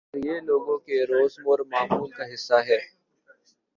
مگر یہ لوگوں کے روزمرہ معمول کا حصہ ہے